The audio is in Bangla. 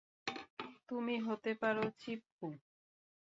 তুমি হতে পারো, চিপকু।